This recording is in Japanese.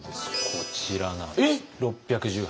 こちらなんです。